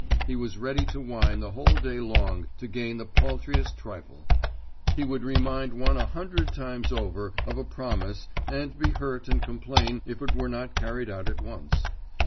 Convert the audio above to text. He was ready to whine the whole day long to gain the paltriest trifle; he would remind one a hundred times over of a promise, and be hurt and complain if it were not carried out at once.